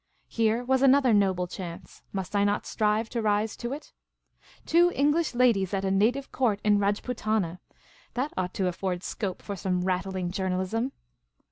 Here was another noble chance ; must I not strive to ri.se to it ? Two English ladies at a native court in Rajputana !— that ought to afford .scope for .some rattling journalism